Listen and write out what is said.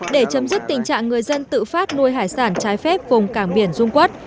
để chấm dứt tình trạng người dân tự phát nuôi hải sản trái phép vùng cảng biển dung quốc